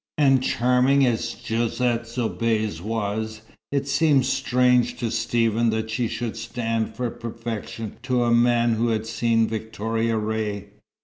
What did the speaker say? And charming as Josette Soubise was, it seemed strange to Stephen that she should stand for perfection to a man who had seen Victoria Ray.